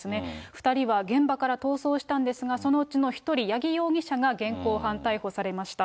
２人は現場から逃走したんですが、そのうちの１人、八木容疑者が現行犯逮捕されました。